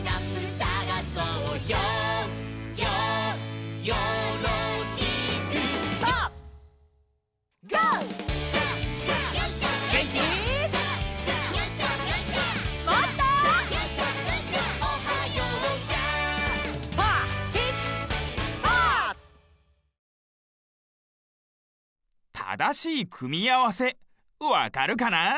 ただしいくみあわせわかるかな？